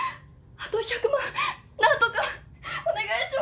あと１００万何とかお願いします。